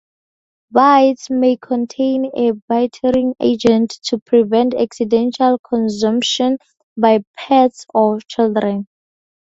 Baits may contain a bittering agent to prevent accidental consumption by pets or children.